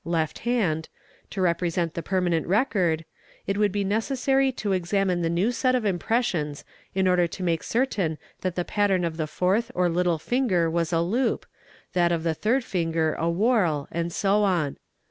(left hand) to represent the permanent record, it would be necessary to ex amine the new set of impressions in order to make certain that the pattern of the fourth or little finger was a loop, that of the third finger a whorl, and soon.